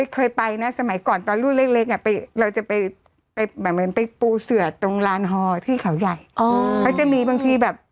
เคยไปนะสมัยก่อนตอนรูเล็กเราจะไปปูเสือตรงลานฮอที่เขาใหญ่เขาจะมีบางทีแบบ